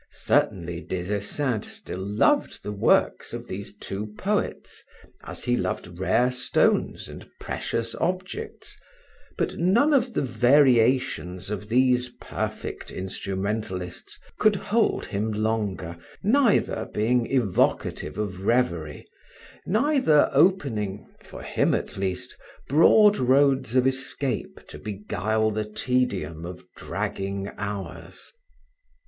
Certainly, Des Esseintes still loved the works of these two poets, as he loved rare stones and precious objects, but none of the variations of these perfect instrumentalists could hold him longer, neither being evocative of revery, neither opening for him, at least, broad roads of escape to beguile the tedium of dragging hours.